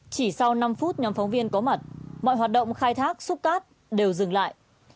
chỉ sau năm phút nhóm phóng viên có mặt mọi hoạt động khai thác xúc cát đều dừng lại